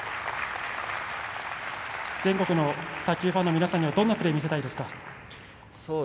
全国の卓球ファンの皆さんにはどんなプレー見せたいですか？